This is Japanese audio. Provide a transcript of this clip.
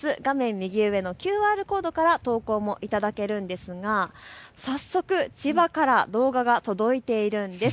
右上のＱＲコードから投稿いただけるんですが早速千葉から動画が届いているんです。